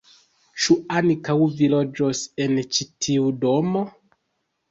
Ĉu ankaŭ vi loĝos en ĉi tiu domo?